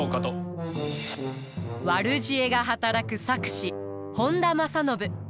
悪知恵が働く策士本多正信。